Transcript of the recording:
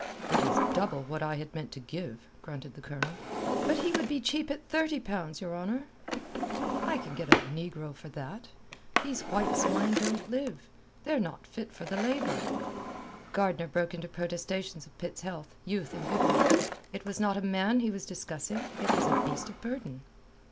"It is double what I had meant to give," grunted the Colonel. "But he would be cheap at thirty pounds, your honour." "I can get a negro for that. These white swine don't live. They're not fit for the labour." Gardner broke into protestations of Pitt's health, youth, and vigour. It was not a man he was discussing; it was a beast of burden.